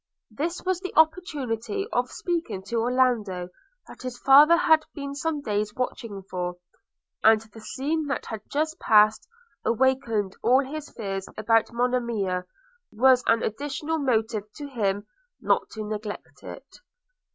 This was the opportunity of speaking to Orlando, that his father had been some days watching for; and the scene that had just passed, awakening all his fears about Monimia, was an additional motive to him not to neglect it.